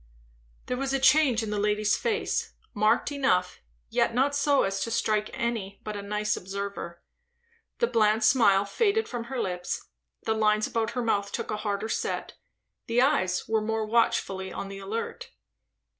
There was a change in the lady's face, marked enough, yet not so as to strike any but a nice observer. The bland smile faded from her lips, the lines about her mouth took a harder set, the eyes were more watchfully on the alert.